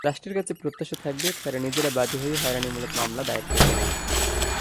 রাষ্ট্রের কাছে প্রত্যাশা থাকবে, তারা নিজেরা বাদী হয়ে হয়রানিমূলক মামলা দায়ের করবে না।